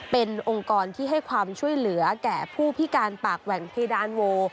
เป็นองค์กรที่ให้ความช่วยเหลือแก่ผู้พิการปากแหว่งเพดานโว